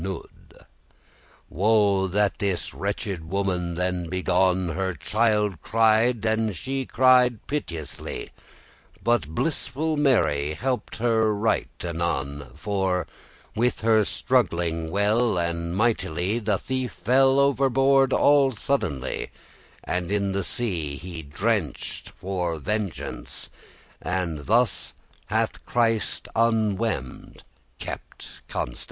*illicit lover Woe was this wretched woman then begone; Her child cri'd, and she cried piteously: But blissful Mary help'd her right anon, For, with her struggling well and mightily, The thief fell overboard all suddenly, And in the sea he drenched* for vengeance, *drowned And thus hath Christ unwemmed* kept Constance.